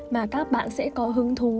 mà các bạn sẽ có hứng thú